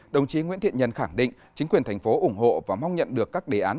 đồng chí nguyễn thiện nhân khẳng định chính quyền thành phố ủng hộ và mong nhận được các đề án